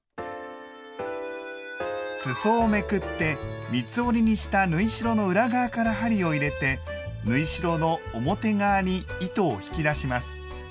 すそをめくって三つ折りにした縫い代の裏側から針を入れて縫い代の表側に糸を引き出します。